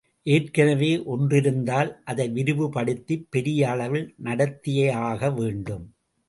ஏற்கனவே ஒன்றிருந்தால், அதை விரிவு படுத்திப் பெரிய அளவில் நடத்தியாக வேண்டும்.